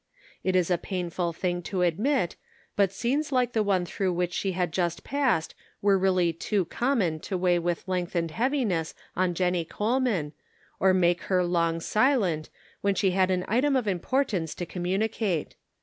It is a painful thing to admit, but scenes like the one through which she had just passed were really too com mon to weigh with lengthened heaviness on Jennie Coleman, or make her long silent, when she had an item of importance to communi cate.